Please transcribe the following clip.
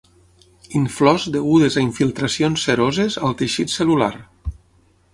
Inflors degudes a infiltracions seroses al teixit cel·lular.